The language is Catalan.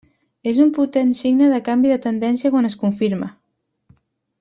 És un potent signe de canvi de tendència quan es confirma.